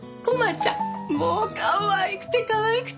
もうかわいくてかわいくて。